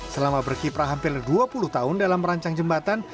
selama berkiprah hampir dua puluh tahun dalam merancang jembatan